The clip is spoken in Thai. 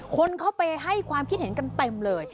คนเข้าไปให้ความคิดเห็นกันเต็มเลย